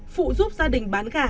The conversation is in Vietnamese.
phụ giúp gia đình bán gà